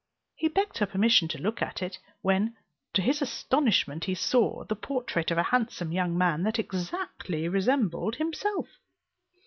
He begged her permission to look at it; when, to his astonishment, he saw the portrait of a handsome young man, that exactly resembled himself!